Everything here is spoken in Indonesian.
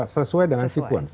sesuai dengan sekuens